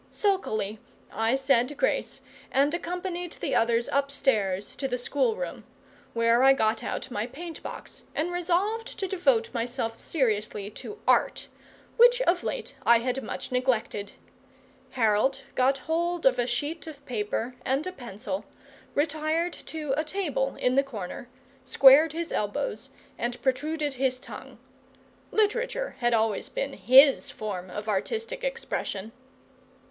Sulkily I said grace and accompanied the others upstairs to the schoolroom; where I got out my paint box and resolved to devote myself seriously to Art, which of late I had much neglected. Harold got hold of a sheet of paper and a pencil, retired to a table in the corner, squared his elbows, and protruded his tongue. Literature had always been HIS form of artistic expression.